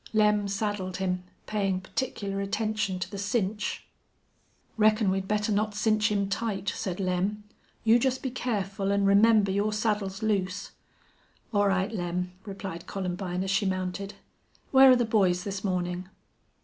Lem saddled him, paying particular attention to the cinch. "Reckon we'd better not cinch him tight," said Lem. "You jest be careful an' remember your saddle's loose." "All right, Lem," replied Columbine, as she mounted. "Where are the boys this morning?"